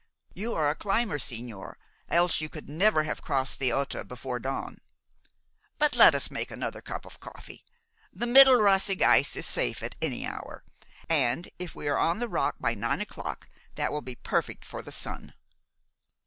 You are a climber, sigñor, else you could never have crossed the Ota before dawn. But let us make another cup of coffee. The middle Roseg ice is safe at any hour, and if we are on the rock by nine o'clock that will be perfect for the sun."